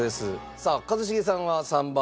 さあ一茂さんは３番。